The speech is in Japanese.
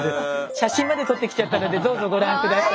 写真まで撮ってきちゃったのでどうぞご覧下さい。